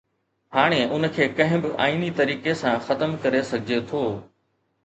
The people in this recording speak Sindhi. هاڻي ان کي ڪنهن به آئيني طريقي سان ختم ڪري سگهجي ٿو.